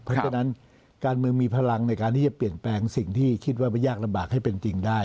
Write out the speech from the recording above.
เพราะฉะนั้นการเมืองมีพลังในการที่จะเปลี่ยนแปลงสิ่งที่คิดว่าไม่ยากลำบากให้เป็นจริงได้